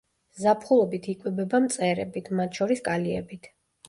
ზაფხულობით იკვებება მწერებით, მათ შორის კალიებით.